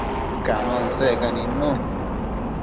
Cano asecca nidnun